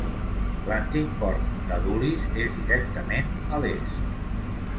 L'antic port d'Adulis és directament a l'est.